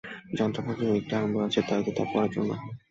যন্ত্রণাভোগেও একটা আনন্দ আছে, যদি তা পরের জন্য হয়।